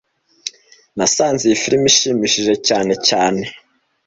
Nasanze iyi firime ishimishije cyane cyane